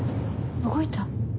動いた？